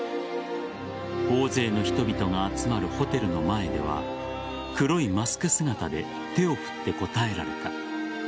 大勢の人々が集まるホテルの前では黒いマスク姿で手を振って応えられた。